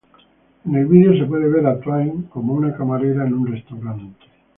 En el vídeo se puede ver a Twain cómo una camarera en un restaurante.